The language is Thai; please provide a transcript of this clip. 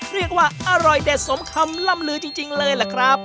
เรียกว่าอร่อยเด็ดสมคำล่ำลือจริงเลยล่ะครับ